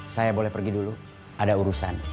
saya boleh pergi dulu ada urusan